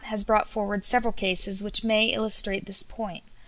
has brought forward several cases which may illustrate this point.